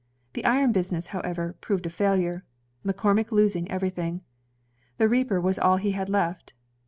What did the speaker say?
The iron business, however, proved a failure, McCormick losing ^ver3rthing. The reaper was all he had left.